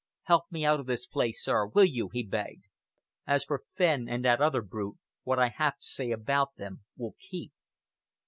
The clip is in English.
"Help me out of this place, sir, will you?" he begged. "As for Fenn and that other brute, what I have to say about them will keep."